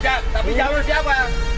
tapi jauh siapa